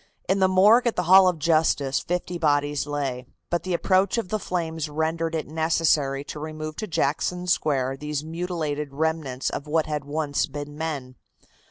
In the morgue at the Hall of Justice fifty bodies lay, but the approach of the flames rendered it necessary to remove to Jackson Square these mutilated remnants of what had once been men.